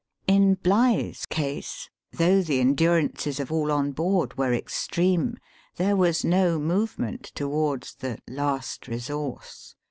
In Bligh's case, though the endurances of all on board were extreme, there was no movement towards the " last resource."